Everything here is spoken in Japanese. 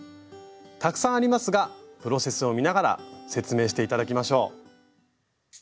たくさんありますがプロセスを見ながら説明して頂きましょう。